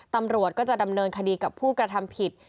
ตำรวจก็จะดำเนินคดีกับผู้กระทำผิด